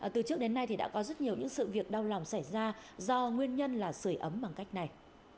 từ trước đến nay đã có rất nhiều những sự việc đau lòng xảy ra do nguyên nhân là sửa ấm bằng cách này